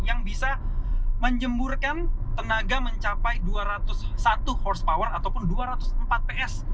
yang bisa menjemburkan tenaga mencapai dua ratus satu host power ataupun dua ratus empat ps